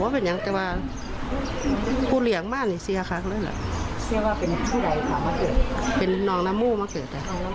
เป็นน้องนามูมาเกิด